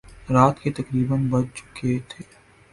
رات کے تقریبا بج چکے تھے